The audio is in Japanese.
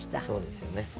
そうですよね。